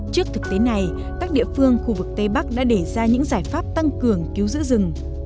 trước thực tế này các địa phương khu vực tây bắc đã để ra những giải pháp tăng cường cứu giữ rừng